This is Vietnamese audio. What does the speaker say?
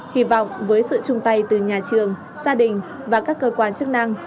hy vọng với sự chung tay từ nhà trường gia đình và các cơ quan chức năng